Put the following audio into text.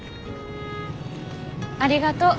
ありがとう。